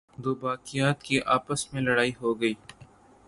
دوباقیات کی آپس میں لڑائی ہوگئی۔